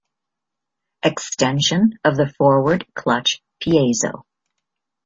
Extension of the forward clutch piezo.